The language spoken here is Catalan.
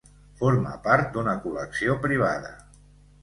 Forma part d'una col·lecció privada.